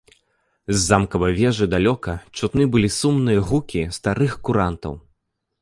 З замкавай вежы далёка чутны былі сумныя гукі старых курантаў.